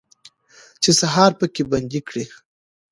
چې سهار پکې بندي کړي